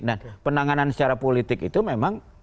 nah penanganan secara politik itu memang